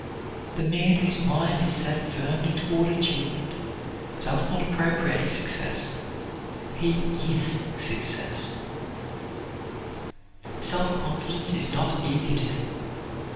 The man whose mind is set firmly toward achievement does not appropriate success, he is success. Self confidence is not egotism.